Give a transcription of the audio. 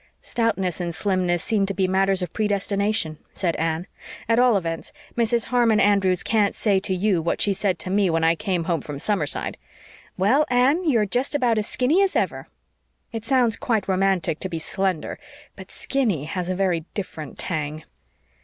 "Stoutness and slimness seem to be matters of predestination," said Anne. "At all events, Mrs. Harmon Andrews can't say to you what she said to me when I came home from Summerside, 'Well, Anne, you're just about as skinny as ever.' It sounds quite romantic to be 'slender,' but 'skinny' has a very different tang."